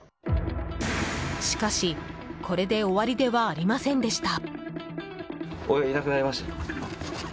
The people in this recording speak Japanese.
しかし、これで終わりではありませんでした。